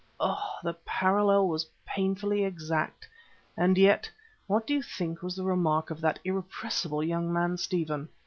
Oh! the parallel was painfully exact. And yet, what do you think was the remark of that irrepressible young man Stephen?